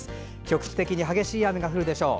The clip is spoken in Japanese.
局地的に激しい雨が降るでしょう。